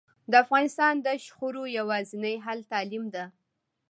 د افغانستان د شخړو یواځینی حل تعلیم ده